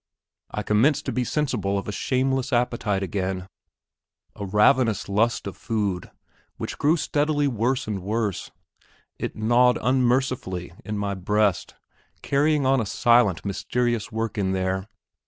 I commenced to be sensible of a shameless appetite again; a ravenous lust of food, which grew steadily worse and worse. It gnawed unmercifully in my breast; carrying on a silent, mysterious work in there.